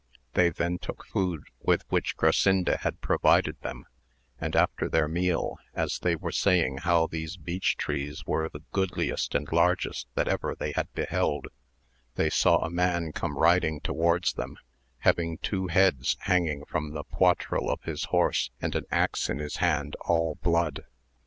They then took food with which Grasinda had provided them, and after their meal, as they were saying how those beech trees were the goodliest and largest that ever they had beheld, they saw a man come riding towards them, having two heads hanging from the poitral of his horse, and an axe in his hand all blood.